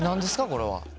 これは。